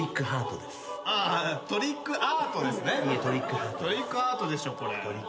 トリックアートでしょ。